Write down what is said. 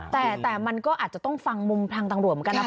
แต่มันก็อาจจะต้องฟังมุมทางตำรวจเหมือนกันนะครับ